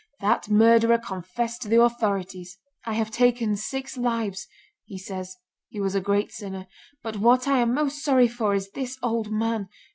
That murderer confessed to the authorities. 'I have taken six lives,' he says (he was a great sinner), 'but what I am most sorry for is this old man.